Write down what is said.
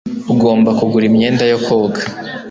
Ugomba kugura imyenda yo koga.